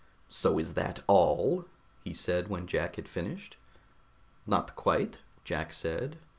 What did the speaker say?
"So is that all?" he said when Jack had finished. "Not quite," Jack said.